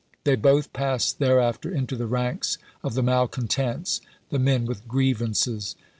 They both passed there after into the ranks of the malcontents — the men with grievances.